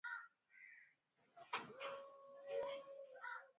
Vimelea vya ugonjwa wa Brusela hupatikana kwenye uchafu wa mnyama aliyetupa mimba